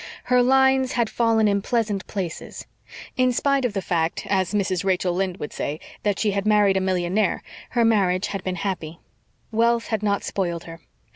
Her lines had fallen in pleasant places. In spite of the fact as Mrs. Rachel Lynde would say that she had married a millionaire, her marriage had been happy. Wealth had not spoiled her.